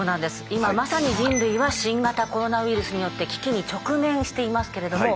今まさに人類は新型コロナウイルスによって危機に直面していますけれども。